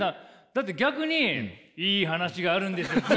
だって逆に「いい話があるんですよ」。